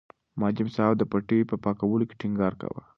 معلم صاحب د پټي په پاکوالي ټینګار کاوه.